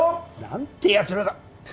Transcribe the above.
何てやつらだ！